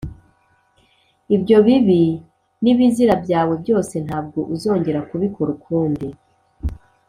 ibyo bibi n’ibizira byawe byose, ntabwo uzongera kubikora ukundi